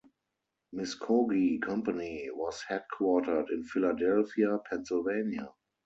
Muskogee Company was headquartered in Philadelphia, Pennsylvania.